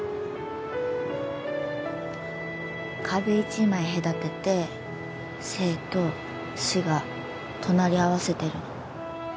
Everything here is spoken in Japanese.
壁一枚隔てて生と死が隣り合わせてるの。